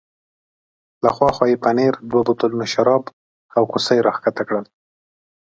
له ها خوا یې پنیر، دوه بوتلونه شراب او کوسۍ را کښته کړل.